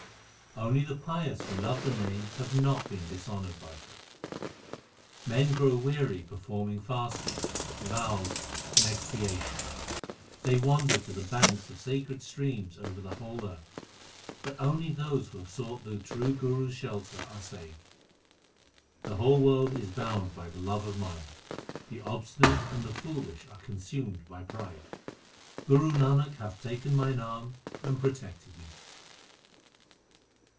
Only the pious who love the Name have not been dis honoured by her. 1 Literally the mark of the three qualities. 300 THE SIKH RELIGION Men grow weary performing fasting, vows, and expia tions ; They wander to the banks of sacred streams over the whole earth ; But only those who have sought the true Guru s shelter are saved. The whole world is bound by the love of Maya. The obstinate and the foolish are consumed by pride. Guru Nanak hath taken mine arm and protected me.